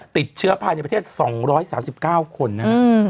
ติดเชื้อภายในประเทศ๒๓๙คนนะครับ